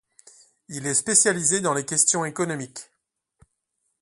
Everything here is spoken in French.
Il est spécialisé dans les questions économiques.